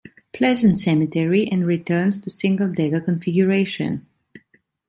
Pleasant Cemetery, and returns to single-decker configuration.